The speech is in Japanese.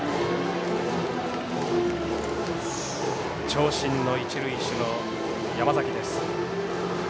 長身の一塁手の山崎です。